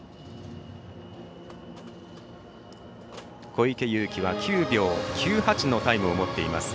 小池祐貴は９秒９８のタイムを持っています。